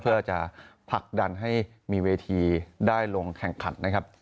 เพื่อจะผลักดันให้มีเวทีได้ลงแข่งขันนะครับ